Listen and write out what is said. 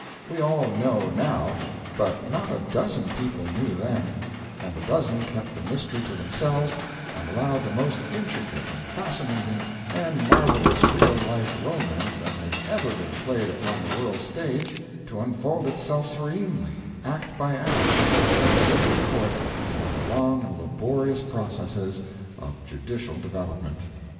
We all know now, but not a dozen people knew then; and the dozen kept the mystery to themselves and allowed the most intricate and fascinating and marvelous real life romance that has ever been played upon the world's stage to unfold itself serenely, act by act, in a British court by the long and laborious processes of judicial development.